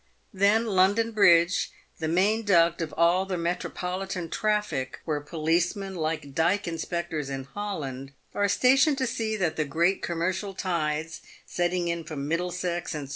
Then London Bridge, the main duct of all the metropolitan traffic, where policemen, like dyke inspectors in Holland, are stationed to see that the great commercial tides setting in from Middlesex and 28 PAVED WITH GOLD.